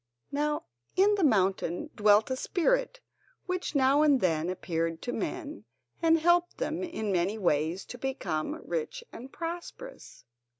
Now in the mountain dwelt a spirit which now and then appeared to men, and helped them in many ways to become rich and prosperous.